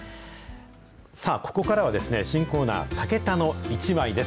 ここからは新コーナー、タケタのイチマイです。